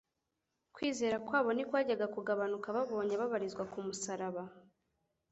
kwizera kwabo ntikwajyaga kugabanuka babonye ababarizwa ku musaraba